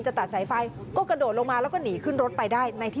ตัดสายไฟก็กระโดดลงมาแล้วก็หนีขึ้นรถไปได้ในที่